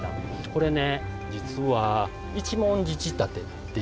これね実は一文字仕立てっていうんですけど。